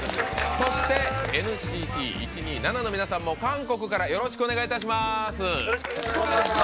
そしてＮＣＴ１２７の皆さんも韓国からよろしくお願いいたします。